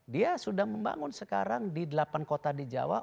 dia sudah membangun sekarang di delapan kota di jawa